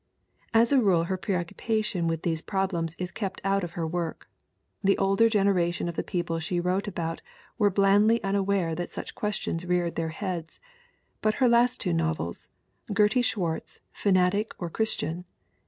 As a rule her preoccupation with these problems is kept out of her work the older generation of the people she wrote about were blandly unaware that such questions reared their heads but her last two novels, Gertie Swart z: Fanatic or Christ ian?